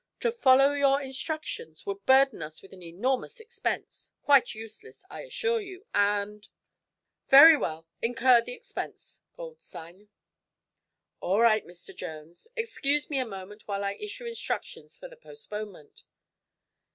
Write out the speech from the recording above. To follow your instructions would burden us with an enormous expense, quite useless, I assure you, and " "Very well. Incur the expense, Goldstein." "All right, Mr. Jones. Excuse me a moment while I issue instructions for the postponement."